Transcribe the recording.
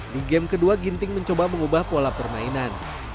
di game kedua ginting mencoba mengubah pola permainan